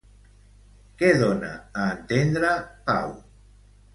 Què dona a entendre Pau?